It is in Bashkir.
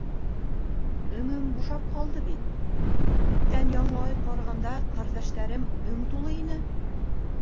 Өңөм бушап ҡалды бит, күктән яңы ай ҡарағанда ҡәрҙәштәрем өң тулы ине.